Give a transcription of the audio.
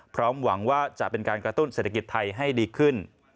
หวังว่าจะเป็นการกระตุ้นเศรษฐกิจไทยให้ดีขึ้น